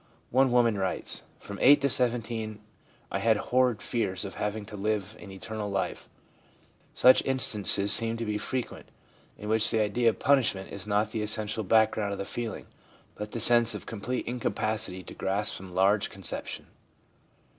One woman writes :* From 8 to 17 I had horrid fears of having to live an eternal life/ Such instances seem to be frequent, in which the idea of punishment is not the essential background of the feeling, but the sense of complete incapacity to grasp some large conception.